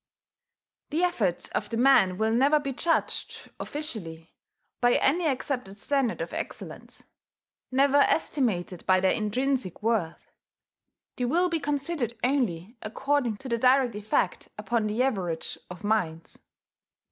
The efforts of the man will never be judged (officially) by any accepted standard of excellence, never estimated by their intrinsic worth; they will be considered only according to their direct effect upon the average of minds.